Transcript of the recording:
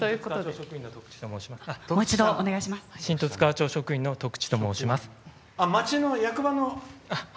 新十津川町職員の得地と申します。